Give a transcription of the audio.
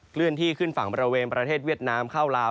เลื่อนที่ขึ้นฝั่งบริเวณประเทศเวียดนามเข้าลาว